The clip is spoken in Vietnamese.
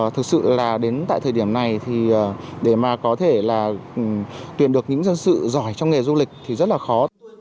thực sự là đến tại thời điểm này thì để mà có thể là tuyển được những dân sự giỏi trong nghề du lịch thì rất là khó